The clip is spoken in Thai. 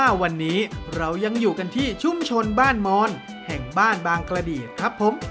วันนี้เรายังอยู่กันที่ชุมชนบ้านมอนแห่งบ้านบางกระดีครับผม